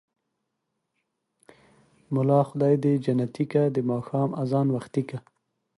ملا خداى دى جنتې که ـ د ماښام ازان وختې که.